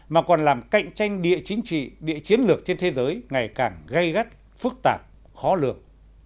mà còn làm cạnh tranh địa chính trị địa chiến lược trên thế giới ngày càng gây gắt phức tạp khó lược